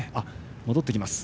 戻ってきました。